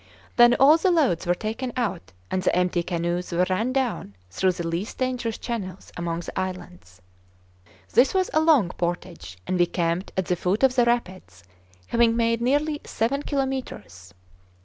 Then all the loads were taken out, and the empty canoes were run down through the least dangerous channels among the islands. This was a long portage, and we camped at the foot of the rapids, having made nearly seven kilometres.